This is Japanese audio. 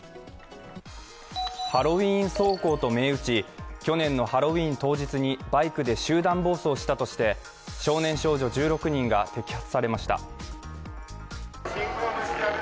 ハロウィーン走行と銘打ち、去年のハロウィーン当日にバイクで集団暴走したとして少年少女１６人が摘発されました。